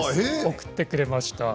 送ってくれました。